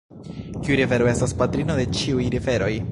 Kiu rivero estas patrino de ĉiuj riveroj?